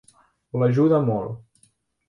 L'ajuda molt.